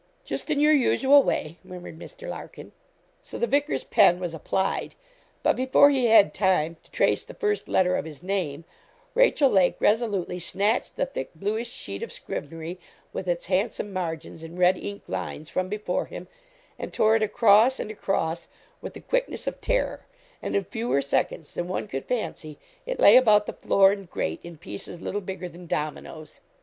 'Just in your usual way,' murmured Mr. Larkin. So the vicar's pen was applied, but before he had time to trace the first letter of his name, Rachel Lake resolutely snatched the thick, bluish sheet of scrivenery, with its handsome margins, and red ink lines, from before him, and tore it across and across, with the quickness of terror, and in fewer seconds than one could fancy, it lay about the floor and grate in pieces little bigger than dominoes.